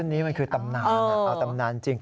อันนี้มันคือตำนานเอาตำนานจริง